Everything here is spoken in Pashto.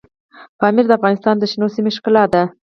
پامیر د افغانستان د شنو سیمو ښکلا ده.